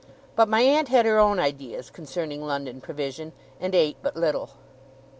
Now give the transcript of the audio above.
But my aunt had her own ideas concerning London provision, and ate but little.